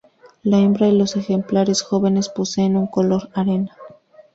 La hembra y los ejemplares jóvenes poseen un color arena.